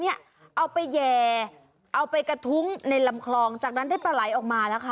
เอาไปแห่เอาไปกระทุ้งในลำคลองจากนั้นได้ปลาไหลออกมาแล้วค่ะ